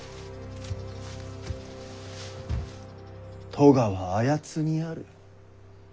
咎はあやつにある。